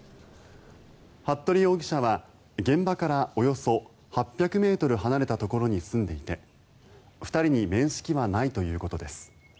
服部容疑者は現場からおよそ８００ｍ離れたところに住んでいて２人に面識はないということです。